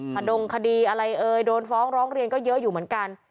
ขดงคดีอะไรเอ่ยโดนฟ้องร้องเรียนก็เยอะอยู่เหมือนกัน